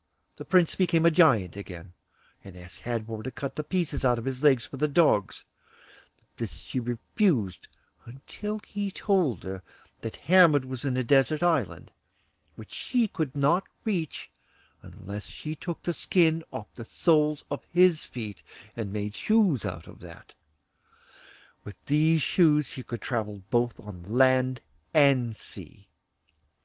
The prince became a Giant again, and asked Hadvor to cut the pieces out of his legs for the dogs; but she refused until he told her that Hermod was in a desert island, which she could not reach unless she took the skin off the soles of his feet and made shoes out of that; with these shoes she could travel both on land and sea.